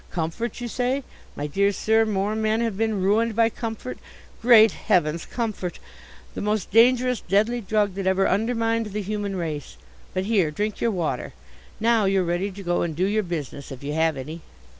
Comfort, you say? My dear sir! more men have been ruined by comfort Great heavens, comfort! The most dangerous, deadly drug that ever undermined the human race. But, here, drink your water. Now you're ready to go and do your business, if you have any."